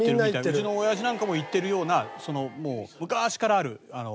うちの親父なんかも行ってるようなそのもう昔からある有名な店。